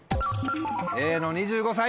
Ａの「２５歳」。